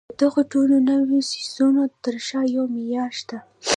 د دغو ټولو نويو څيزونو تر شا يو معيار شته.